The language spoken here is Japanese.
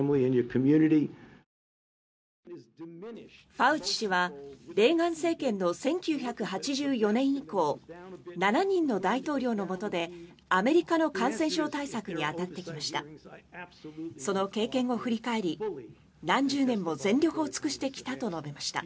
ファウチ氏はレーガン政権の１９８４年以降７人の大統領のもとでアメリカの感染症対策に当たってきました。